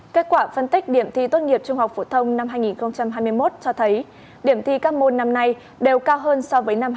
kết quả phân tích điểm thi tốt nghiệp trung học phổ thông năm hai nghìn hai mươi một cho thấy điểm thi các môn năm nay đều cao hơn so với năm hai nghìn hai mươi hai